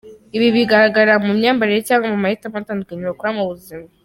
Ibi bigaragarira mu myambarire cyangwa mu mahitamo atandukanye bakora mu buzima.